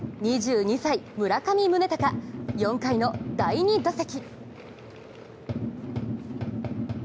２２歳、村上宗隆、４回の第２打席。